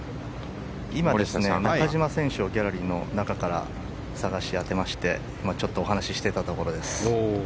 今、中島選手をギャラリーの中から探し当てましてちょっとお話していたところです。